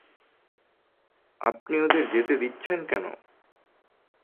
আপনি ওদের যেতে দিচ্ছেন কেন?